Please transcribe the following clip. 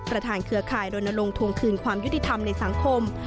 เครือข่ายรณลงทวงคืนความยุติธรรมในสังคม